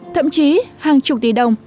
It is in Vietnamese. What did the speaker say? thậm chí hàng chục tỷ đồng